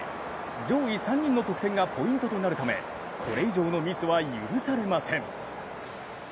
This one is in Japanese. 上位３人の得点がポイントとなるため、これ以上のミスは許されません。